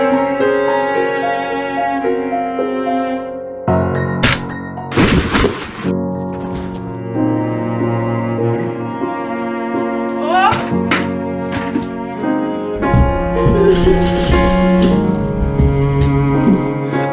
โรค